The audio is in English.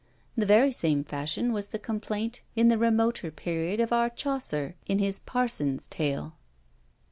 The very same fashion was the complaint in the remoter period of our Chaucer, in his Parson's Tale.